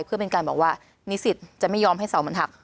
เพื่อเป็นการบอกว่านิสิตจะไม่ยอมให้เสามันหัก